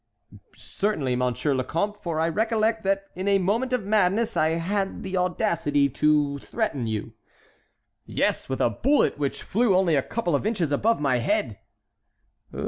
"Certainly, Monsieur le Comte, for I recollect that in a moment of madness I had the audacity to threaten you." "Yes, with a bullet which flew only a couple of inches above my head."